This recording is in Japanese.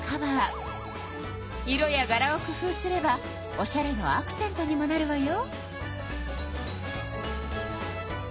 色やがらを工夫すればおしゃれのアクセントにもなるわよ。